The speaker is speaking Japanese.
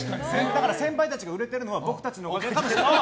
先輩たちが売れているのは僕たちのおかげかもしれない。